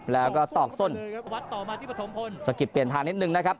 แล้วก็ตอกส้นวัดต่อมาที่ปฐมพลสะกิดเปลี่ยนทางนิดนึงนะครับ